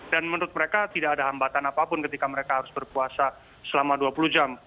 dan menurut mereka tidak ada hambatan apapun ketika mereka harus berpuasa selama dua puluh jam